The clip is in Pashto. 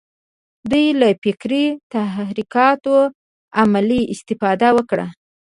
دوی له فکري تحرکاتو عملي استفاده وکړه.